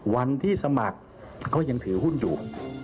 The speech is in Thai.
วันที่สมัครก็ยังถือหุ้นอยู่